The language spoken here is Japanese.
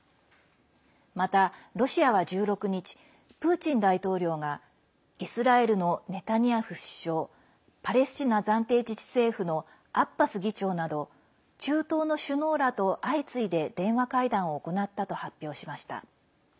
また、ロシアは１６日プーチン大統領がイスラエルのネタニヤフ首相パレスチナ暫定自治政府のアッバス議長など中東の首脳らと相次いで電話会談を行ったと発表しました。